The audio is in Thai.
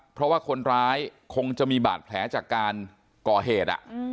เพราะว่าคนร้ายคงจะมีบาดแผลจากการก่อเหตุ